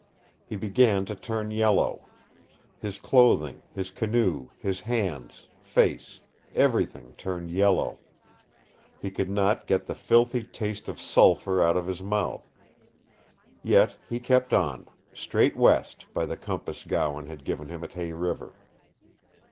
He began to turn yellow. His clothing, his canoe, his hands, face everything turned yellow. He could not get the filthy taste of sulphur out of his mouth. Yet he kept on, straight west by the compass Gowen had given him at Hay River.